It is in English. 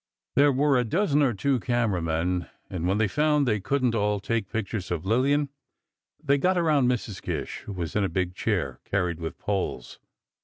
There were a dozen or two camera men, and when they found they couldn't all take pictures of Lillian, they got around Mrs. Gish, who was in a big chair carried with poles.